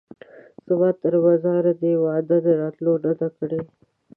زما تر مزاره دي وعده د راتلو نه ده کړې